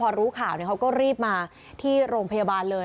พอรู้ข่าวเขาก็รีบมาที่โรงพยาบาลเลย